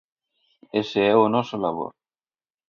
Ese é o noso labor.